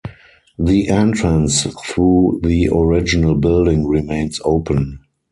The entrance through the original building remains open.